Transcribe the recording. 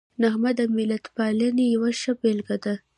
نغمه د ملتپالنې یوه ښه بېلګه ده